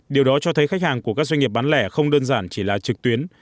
điều đó cho thấy khách hàng của các doanh nghiệp bán lẻ không đơn giản chỉ là trực tuyến